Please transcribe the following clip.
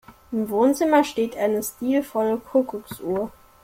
Im Wohnzimmer steht eine stilvolle Kuckucksuhr.